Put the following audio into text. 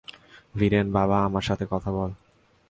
ভিরেন, বাবা আমার সাথে কথা বল!